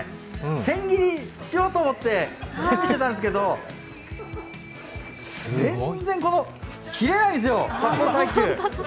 千切りしようと思ってやってたんですけど全然切れないんですよ。